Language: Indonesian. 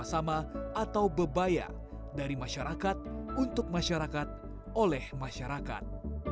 sama atau bebaya dari masyarakat untuk masyarakat oleh masyarakat